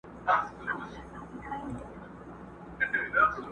د غزل عنوان مي ورکي و ښکلا ته.